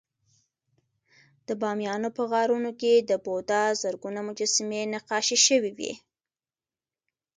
د بامیانو په غارونو کې د بودا زرګونه مجسمې نقاشي شوې وې